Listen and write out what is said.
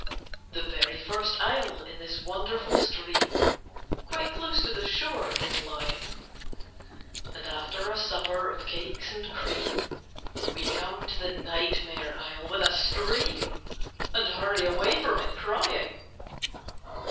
The very first isle in this wonderful stream Quite close to the shore is lying, And after a supper of cakes and cream We come to the Night Mare Isle with a scream, And hurry away from it crying.